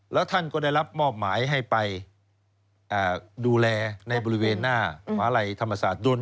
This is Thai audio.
แล้วท่านก็ได้รับมอบหมายให้ไปดูแลในบริเวณหน้ามหาลัยธรรมศาสตร์ยนต์